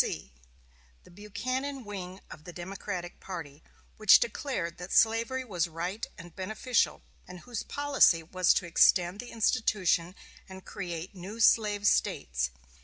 3. The Buchanan wing of the Democratic party, which declared that slavery was right and beneficial, and whose policy was to extend the institution, and create new slave States.